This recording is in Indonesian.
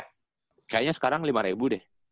tumurnya sekarang lima ribu deh